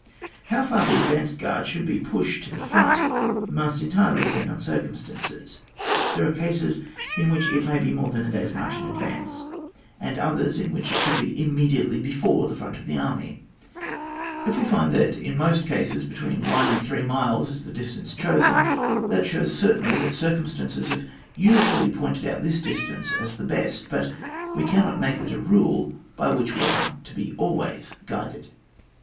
How far the advanced guard should be pushed to the front must entirely depend on circumstances ; there are cases in which it may be more than a day's march in advance, and others in which it should be immediately before the front of the army. If we find that in most cases between one and three miles is the distance chosen, that shows certainly that circumstances have usually pointed out this distance as the best; but we cannot make of it a rule by which we are to be always guided.